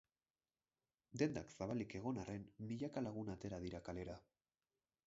Dendak zabalik egon arren, milaka lagun atera dira kalera.